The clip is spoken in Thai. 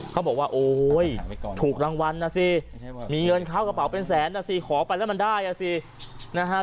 เขาบอกว่าโอ้ยถูกรางวัลนะสิมีเงินเข้ากระเป๋าเป็นแสนนะสิขอไปแล้วมันได้อ่ะสินะฮะ